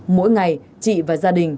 mỗi ngày chị và gia đình